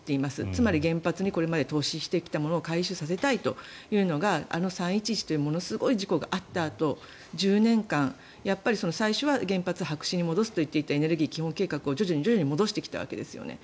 つまり原発にこれまで投資してきたものを回収させたいというのがあの３・１１というものすごい事故があったあと１０年間、最初は原発白紙に戻すと言っていたエネルギー基本計画を徐々に戻してきたわけですよね。